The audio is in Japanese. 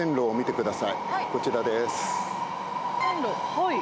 はい。